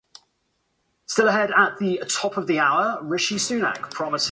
The C peptide is between the A and B chains of proinsulin.